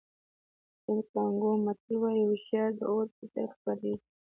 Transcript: د کانګو متل وایي هوښیاري د اور په څېر خپرېږي.